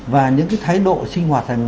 và những cái thái độ sinh hoạt